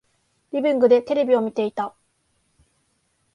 リビングでテレビを見ていた。